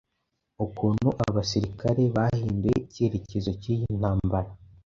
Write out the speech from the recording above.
ukuntu abasirikare bahinduye ”icyerecyezo cy’iyi ntambara